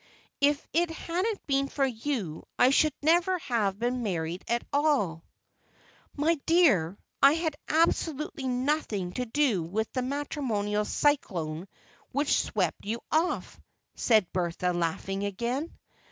"If it hadn't been for you I should never have been married at all." "My dear, I had absolutely nothing to do with the matrimonial cyclone which swept you off," said Bertha, laughing again.